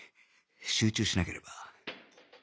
集中しなければ